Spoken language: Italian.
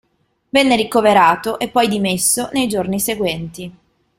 Venne ricoverato e poi dimesso nei giorni seguenti.